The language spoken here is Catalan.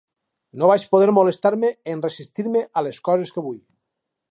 No vaig poder molestar-me en resistir-me a les coses que vull.